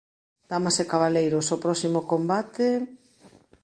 Damas e cabaleiros, o próximo combate...